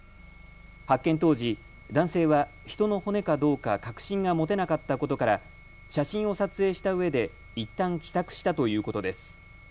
発見当時、男性は人の骨かどうか確信が持てなかったことから写真を撮影したうえでいったん帰宅したということです。